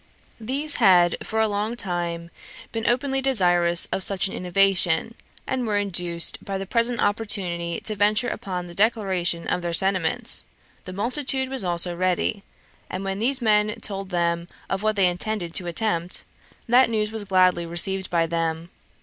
These had for a long time been openly desirous of such an innovation, and were induced by the present opportunity to venture upon the declaration of their sentiments; the multitude was also ready; and when these men told them of what they intended to attempt, that news was gladly received by them.